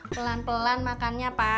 pelan pelan makannya pak